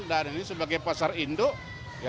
dan ini sebagai pasar ini